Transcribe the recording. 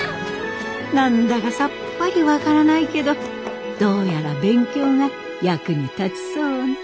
何だかさっぱり分からないけどどうやら勉強が役に立ちそうね。